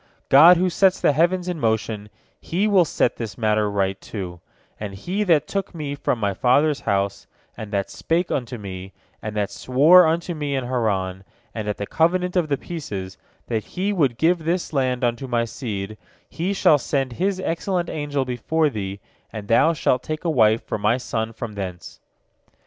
God who sets the heavens in motion, He will set this matter right, too, and He that took me from my father's house, and that spake unto me, and that swore unto me in Haran, and at the covenant of the pieces, that He would give this land unto my seed, He shall send His excellent angel before thee, and thou shalt take a wife for my son from thence."